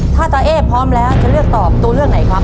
ถ้าตาเอ๊พร้อมแล้วจะเลือกตอบตัวเลือกไหนครับ